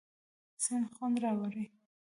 سیند خوند راوړي.